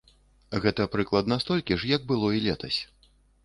Гэта прыкладна столькі ж, як было і летась.